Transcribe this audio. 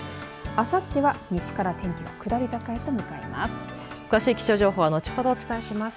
あさっては西から天気が下り坂へと向かいます。